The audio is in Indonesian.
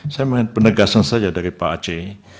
saya melihat penegasan saja dari pak aceh